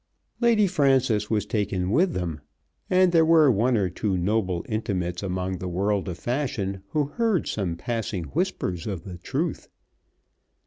Lady Frances was taken with them, and there were one or two noble intimates among the world of fashion who heard some passing whispers of the truth.